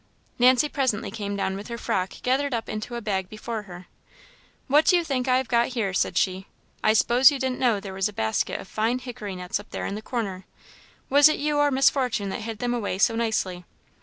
Nancy presently came down with her frock gathered up into a bag before her. "What do you think I have got here?" said she, "I s'pose you didn't know there was a basket of fine hickory nuts up there in the corner? Was it you or Miss Fortune that hid them away so nicely?